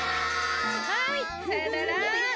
はいさよなら。